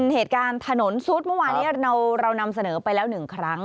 เหตุการณ์ถนนซุดเมื่อวานนี้เรานำเสนอไปแล้ว๑ครั้ง